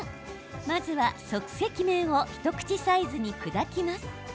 まずは即席麺を一口サイズに砕きます。